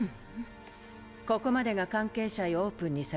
ここまでが関係者へオープンにされている情報ね。